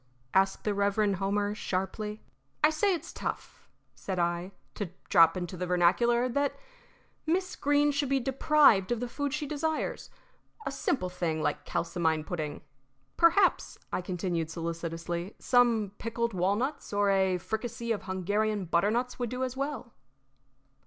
asked the Reverend Homer, sharply. "I say it's tough," said I, "to drop into the vernacular, that Miss Greene should be deprived of the food she desires a simple thing like kalsomine pudding. Perhaps," I continued, solicitously, "some pickled walnuts or a fricassee of Hungarian butternuts would do as well."